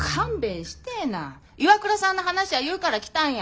ＩＷＡＫＵＲＡさんの話やいうから来たんや。